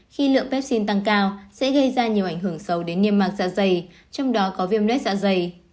khi lượng vaccine tăng cao sẽ gây ra nhiều ảnh hưởng sâu đến niêm mạc dạ dày trong đó có viêm lết dạ dày